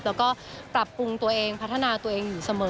แล้วก็ปรับปรุงตัวเองพัฒนาตัวเองอยู่เสมอ